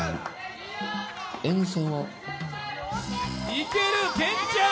いける、健ちゃん！